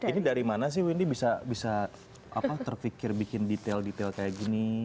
ini dari mana sih windy bisa terpikir bikin detail detail kayak gini